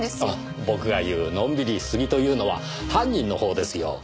あっ僕が言うのんびりしすぎというのは犯人のほうですよ。